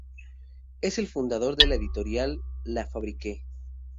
Es el fundador de la editorial La Fabrique.